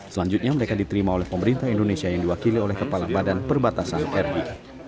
selanjutnya mereka diterima oleh pemerintah indonesia yang diwakili oleh kepala badan perbatasan ri